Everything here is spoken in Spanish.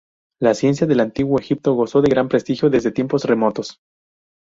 La ciencia del antiguo Egipto gozó de gran prestigio desde tiempos remotos.